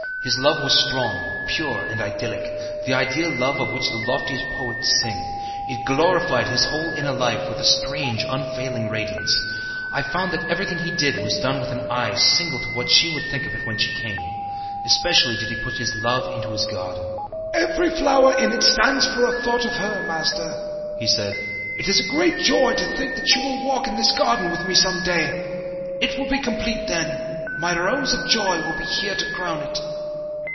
His love was strong, pure, and idyllic the ideal love of which the loftiest poets sing. It glorified his whole inner life with a strange, unfailing radiance. I found that everything he did was done with an eye single to what she would think of it when she came. Especially did he put his love into his garden. "Every flower in it stands for a thought of her, Master," he said. "It is a great joy to think that she will walk in this garden with me some day. It will be complete then my Rose of joy will be here to crown it."